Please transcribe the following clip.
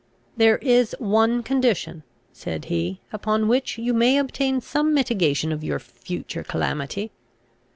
"There is one condition," said he, "upon which you may obtain some mitigation of your future calamity.